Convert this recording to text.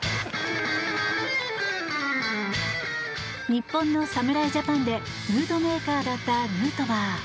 日本の侍ジャパンでムードメーカーだったヌートバー。